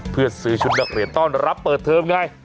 เพื่อซื้อชุดนักเรียนต้อนรับเปิดเทอมไง